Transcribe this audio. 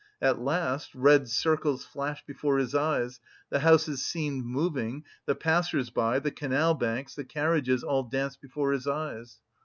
At last red circles flashed before his eyes, the houses seemed moving, the passers by, the canal banks, the carriages, all danced before his eyes.